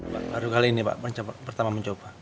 baru kali ini pertama mencoba